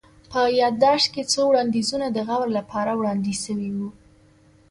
په يا ياداشت کي څو وړانديزونه د غور لپاره وړاندي سوي وه